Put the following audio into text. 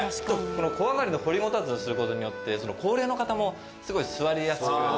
小上がりの掘りごたつにすることによって高齢の方もすごい座りやすく。